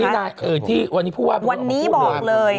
นี่ได้ที่วันนี้พูดว่าวันนี้บอกเลย